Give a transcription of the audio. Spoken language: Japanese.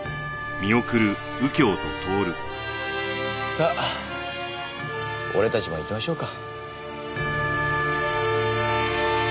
さあ俺たちも行きましょうか。